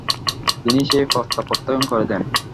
তিনি সেই প্রস্তাব প্রত্যাখ্যান করে দেন।